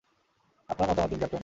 আপনার মতামত দিন, ক্যাপ্টেন।